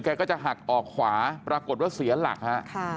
ก็จะหักออกขวาปรากฏว่าเสียหลักฮะ